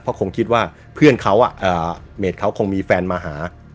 เพราะคงคิดว่าเพื่อนเขาเมดเขาคงมีแฟนมาหา